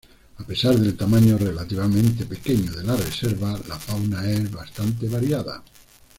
A pesar del tamaño relativamente pequeño de la reserva, la fauna es bastante variada.